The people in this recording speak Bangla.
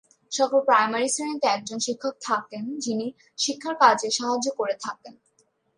সকল প্রাইমারি শ্রেণীতে একজন শিক্ষক থাকেন, যিনি শিক্ষার কাজে সাহায্য করে থাকেন।